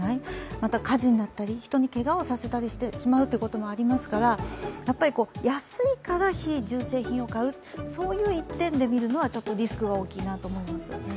また火事になったり人にけがをさせてしまうということもありますから安いから非純正品を買う、そう一点で見るのはちょっとリスクが大きいなと思います。